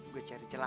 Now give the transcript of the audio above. gua cari celaka